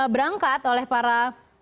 berangkat oleh para